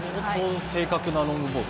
正確なロングボール。